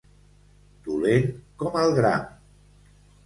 Dolent com el gram.